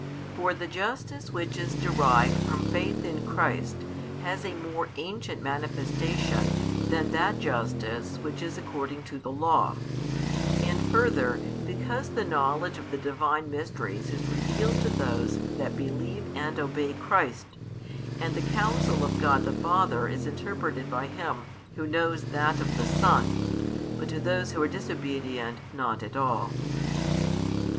For the justice which is derived from faith in Christ has a more ancient manifestation than that justice which is according to the law; and further, because the knowledge of the Divine mysteries is revealed to those that believe and obey Christ, and the counsel of God the Father is |405 interpreted by him who knows that of the Son, but to those who are disobedient, not at all.